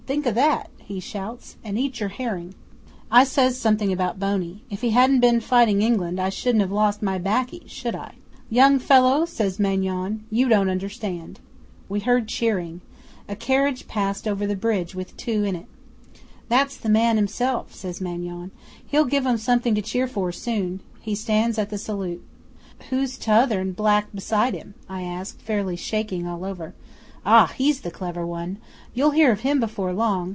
Think o' that!" he shouts, "and eat your herring." 'I says something about Boney. If he hadn't been fighting England I shouldn't have lost my 'baccy should I? '"Young fellow," says Maingon, "you don't understand." 'We heard cheering. A carriage passed over the bridge with two in it. '"That's the man himself," says Maingon. "He'll give 'em something to cheer for soon." He stands at the salute. '"Who's t'other in black beside him?" I asks, fairly shaking all over. '"Ah! he's the clever one. You'll hear of him before long.